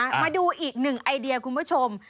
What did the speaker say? มาดูอีกหนึ่งไอเดียคุณผู้ชม